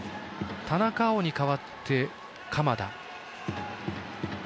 田中碧に代わって、鎌田。